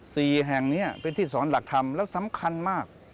สี่แห่งนี้เป็นที่สอนหลักธรรมแล้วสำคัญมาก